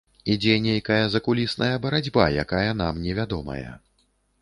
Ідзе нейкая закулісная барацьба, якая нам невядомая.